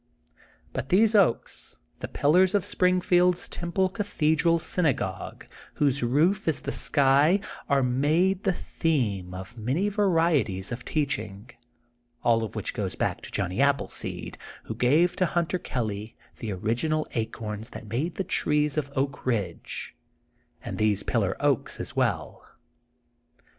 But these oaks, the pillars of Springfield's temple cathedral syn agogue, whose roof is the sky, are made the theme of many varieties of teaching, all of which goes back to Johnny Appleseed, who gave to Hunter Kelly the originaJ acorns that made the trees of Oak Bidge, and these pillar oaks as well.